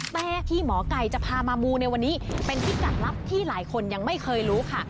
แต่ที่หมอไก่จะพามามูในวันนี้เป็นพิกัดลับที่หลายคนยังไม่เคยรู้ค่ะ